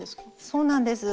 そうなんです。